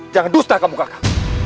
jangan dusta kamu kakak